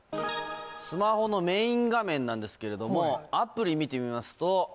スマホのメイン画面なんですけれどもアプリ見てみますと。